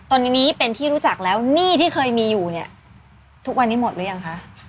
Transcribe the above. ตอนนี้นี้เป็นที่รู้จักแล้วหนี้ที่เคยมีอยู่เนี่ยทุกวันนี้หมดหรือยังคะ